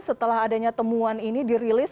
setelah adanya temuan ini dirilis